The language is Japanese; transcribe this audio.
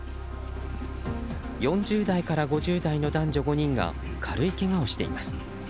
４０代から５０代の男女５人が軽いけがをしています。